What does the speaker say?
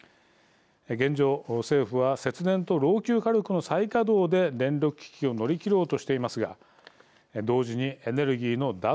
現状、政府は節電と老朽火力の再稼働で電力危機を乗り切ろうとしていますが同時にエネルギーの脱